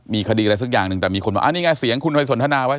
มีคดีอะไรสักอย่างหนึ่งแต่มีคนว่านี่ไงเสียงคุณไปสนทนาไว้